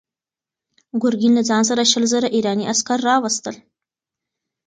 ګورګین له ځان سره شل زره ایراني عسکر راوستل.